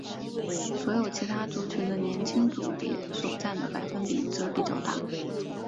所有其他族群的年轻组别所占的百分比则比较大。